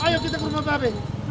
ayok kita ke rumah bapak